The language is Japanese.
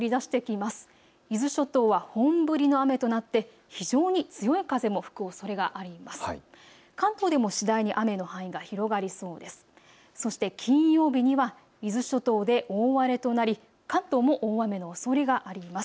そして金曜日には伊豆諸島で大荒れとなり関東も大雨のおそれがあります。